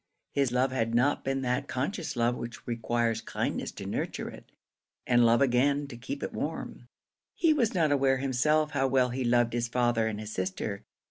His love had not been that conscious love which requires kindness to nurture it, and love again to keep it warm. He was not aware himself how well he loved his father and his sister.